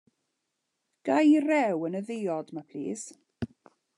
Ga i rew yn y ddiod 'ma plis?